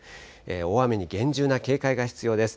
大雨に厳重な警戒が必要です。